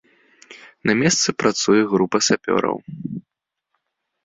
На месцы працуе група сапёраў.